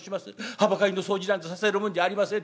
はばかりの掃除なんてさせるもんじゃありません。